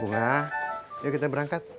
bunga yuk kita berangkat